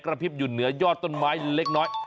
พริบอยู่เหนือยอดต้นไม้เล็กน้อย